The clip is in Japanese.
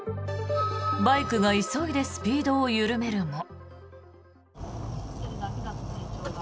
バイクが急いでスピードを緩めるも。